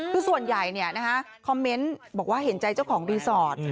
คือส่วนใหญ่คอมเมนต์บอกว่าเห็นใจเจ้าของรีสอร์ท